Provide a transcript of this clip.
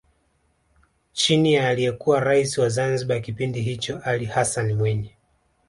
Chini ya aliyekuwa Rais wa Zanzibar kipindi hicho Ali Hassani Mwinyi